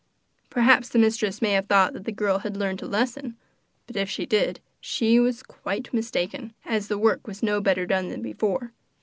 Perhaps the mistress may have thought that the girl had learnt a lesson, but, if she did, she was quite mistaken, as the work was no better done than before.